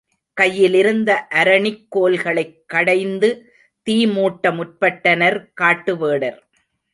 கையிலிருந்த அரணிக் கோல்களைக் கடைந்து தீ மூட்ட முற்பட்டனர் காட்டு வேடர்.